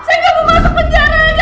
enggak saya gak mau masuk penjara